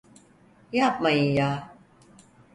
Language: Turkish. Yapmayın ya.